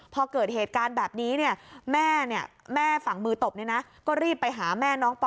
พอเกิดเหตุการณ์แบบนี้แม่ฝั่งมือตบก็รีบไปหาแม่น้องปอ